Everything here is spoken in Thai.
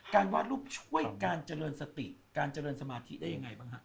วาดรูปช่วยการเจริญสติการเจริญสมาธิได้ยังไงบ้างฮะ